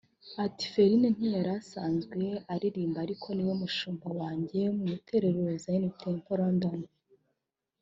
Ati “Felin ntiyari asanzwe aririmba ariko ni we mushumba wanjye mu Itorero Zion Temple London